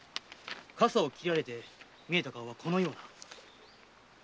笠を斬られて見えた顔はこのような。